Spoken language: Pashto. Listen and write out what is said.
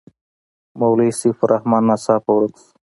مولوي سیف الرحمن ناڅاپه ورک شو.